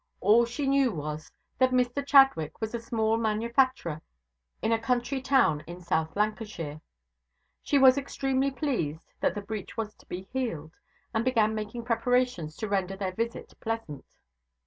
All she knew was, that Mr Chadwick was a small manufacturer in a country town in South Lancashire. She was extremely pleased that the breach was to be healed, and began making preparations to render their visit pleasant.